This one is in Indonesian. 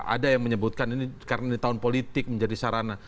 ada yang menyebutkan ini karena ini tahun politik menjadi sarana